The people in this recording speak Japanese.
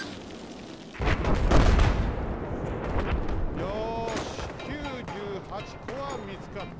よし９８こはみつかった。